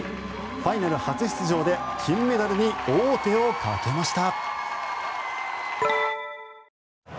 ファイナル初出場で金メダルに王手をかけました。